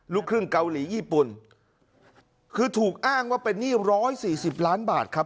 ลูกครึ่งเกาหลีญี่ปุ่นคือถูกอ้างว่าเป็นหนี้ร้อยสี่สิบล้านบาทครับ